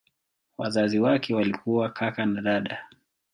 Wazazi wake walikuwa kaka na dada.